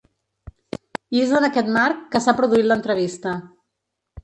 I és en aquest marc que s’ha produït l’entrevista.